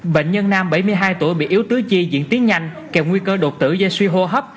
bệnh nhân nam bảy mươi hai tuổi bị yếu tứ chi diễn tiến nhanh kèm nguy cơ đột tử do suy hô hấp